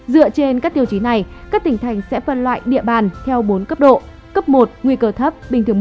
dựa trên các tiêu chí này các tỉnh thành sẽ phân loại địa bàn theo bốn cấp độ cấp một nguy cơ thấp